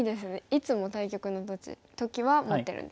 いつも対局の時は持ってるんですか？